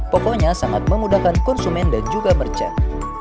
pokoknya sangat memudahkan konsumen dan juga merchant